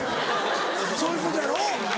そういうことやろ。